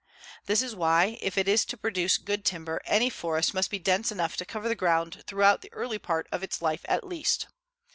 This is why, if it is to produce good timber, any forest must be dense enough to cover the ground throughout the early part of its life at least.